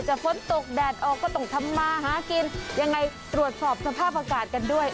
ฝนตกแดดออกก็ต้องทำมาหากินยังไงตรวจสอบสภาพอากาศกันด้วย